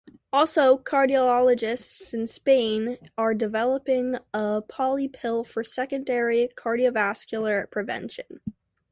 Also, cardiologists in Spain are developing a polypill for secondary cardiovascular prevention.